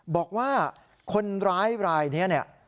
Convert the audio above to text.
บอกว่าคนร้ายรายนี้เนี่ย